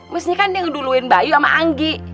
mesti kan dia ngeduluin bayu sama anggi